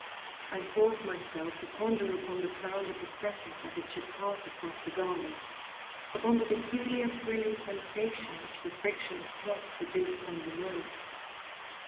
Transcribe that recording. I forced myself to ponder upon the sound of the crescent as it should pass across the garment—upon the peculiar thrilling sensation which the friction of cloth produces on the nerves.